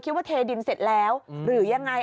เข้าไปคิดว่าเทดินเสร็จแล้วหรือยังไง